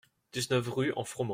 dix-neuf rue En Froment